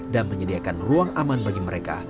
dan menyediakan ruang aman bagi mereka